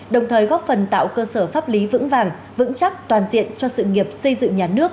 đồng thời góp phần tạo cơ sở pháp lý vững vàng vững chắc toàn diện cho sự nghiệp xây dựng nhà nước